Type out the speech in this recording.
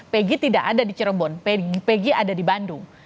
pegi tidak ada di cirebon pg ada di bandung